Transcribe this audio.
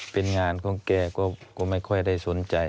เป็นงานของแกก็ไม่ค่อยได้สนใจ